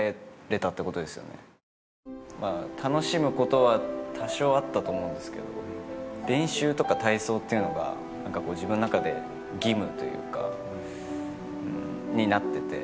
楽しむ事は多少あったと思うんですけど練習とか体操っていうのがなんかこう、自分の中で義務というかになっていて。